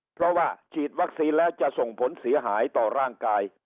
เพราะว่าฉีดวัคซีนแล้วจะส่งผลเสียหายต่อร่างกาย